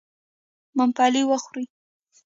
ممپلي و خورئ.